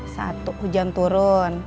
satu hujan turun